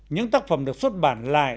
những tác phẩm được xuất bản lại